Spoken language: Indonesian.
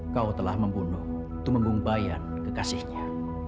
kau telah membunuh tumeng bumbayan kekasihnya